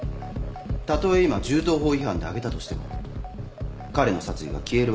たとえ今銃刀法違反で挙げたとしても彼の殺意が消えるわけではない。